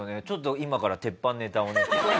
ちょっと今から鉄板ネタをね。